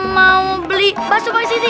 mau beli basuh basuh di sini